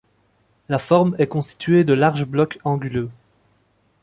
La forme est constituée de larges blocs anguleux.